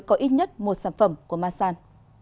có ít nhất một sản phẩm của masan